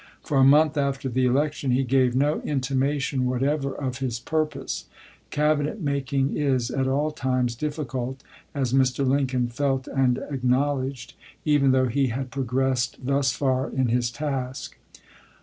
For a month after the election he gave no intimation whatever of his purpose. Cabinet making is at all times difficult, as Mr. Lincoln felt and acknowledged, even though he had progressed thus far in his task.